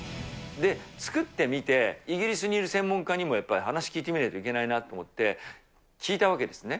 作ってみて、イギリスにいる専門家にもやっぱり話聞いてみないといけないなと思って聞いたわけですね。